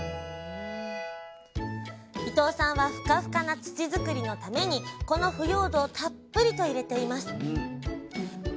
伊藤さんはふかふかな土作りのためにこの腐葉土をたっぷりと入れています